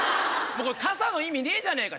傘の意味ねえじゃねぇか！